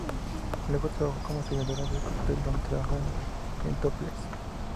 Luego trabajó como servidora de cóctel donde trabajaba en topless.